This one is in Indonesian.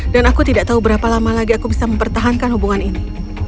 dan aku tidak tahu berapa lama lagi aku bisa mempertahankan hubungan ini